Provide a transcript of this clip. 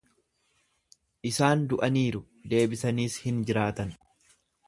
Isaan du'aniiru, deebisaniis hin jiraatan.